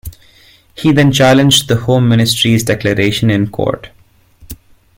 He then challenged the Home Ministry's declaration in court.